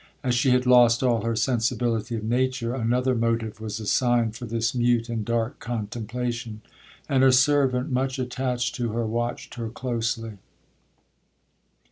As she had lost all her sensibility of nature, another motive was assigned for this mute and dark contemplation; and her servant, much attached to her, watched her closely.